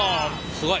すごい。